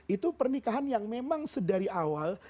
itu pernikahan yang memang sedari awal